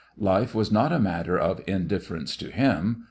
Life was not a matter of indifference to him.